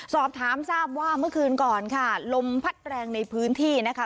สอบถามทราบว่าเมื่อคืนก่อนค่ะลมพัดแรงในพื้นที่นะคะ